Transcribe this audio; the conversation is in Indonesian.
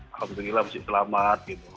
alhamdulillah masih selamat gitu